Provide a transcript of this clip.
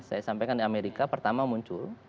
saya sampaikan di amerika pertama muncul